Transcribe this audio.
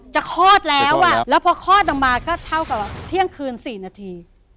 คลอดแล้วอ่ะแล้วพอคลอดออกมาก็เท่ากับว่าเที่ยงคืน๔นาที